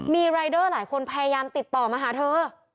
มีรายเดอร์หลายคนพยายามติดต่อมาหาเธอ